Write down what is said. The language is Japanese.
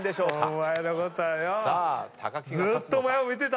お前のことはよ。